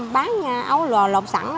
bán ấu luộc sẵn